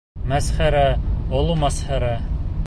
Мәсхәрә, оло мәсхәрә.